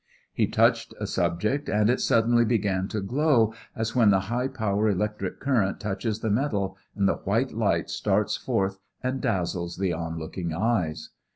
He touched a subject and it suddenly began to glow as when the high power electric current touches the metal and the white light starts forth and dazzles the onlooking eyes.